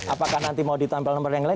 apakah nanti mau ditempel nomor yang lain